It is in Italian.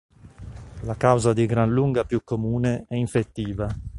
La causa di gran lunga più comune è infettiva.